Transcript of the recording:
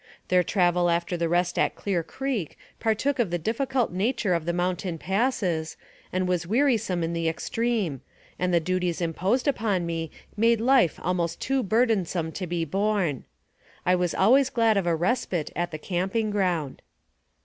Their travel after the rest at Clear Creek partook of the difficult nature of the mountain passes, and was wearisome in the extreme, and the duties imposed upon me made life almost too burdensome to be borne. I was always glad of a respite at the camping ground.